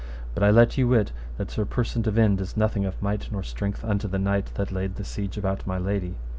But I let you wit that Sir Persant of Inde is nothing of might nor strength unto the knight that laid the siege about my lady.